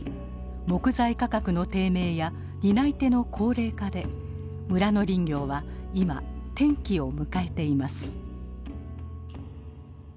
木材価格の低迷や担い手の高齢化で村の林業は今転機を迎えています。